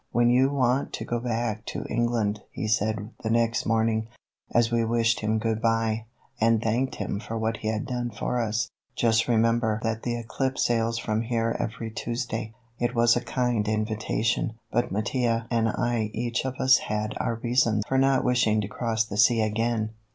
"When you want to go back to England," he said the next morning, as we wished him good by, and thanked him for what he had done for us, "just remember that the Eclipse sails from here every Tuesday." It was a kind invitation, but Mattia and I each of us had our reason for not wishing to cross the sea again